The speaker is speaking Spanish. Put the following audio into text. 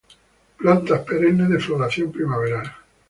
Plantas perennes de floración primaveral.